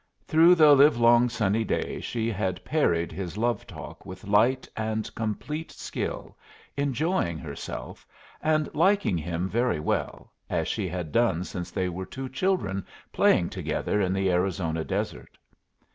Through the live long sunny day she had parried his love talk with light and complete skill, enjoying herself, and liking him very well, as she had done since they were two children playing together in the Arizona desert.